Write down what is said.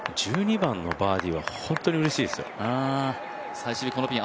１２番のバーディーは本当にうれしいですよ。